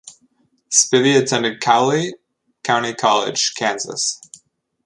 Spivey attended Cowley County College, Kansas.